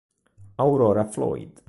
Aurora Floyd